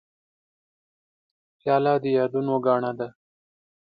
پیاله د یادونو ګاڼه ده.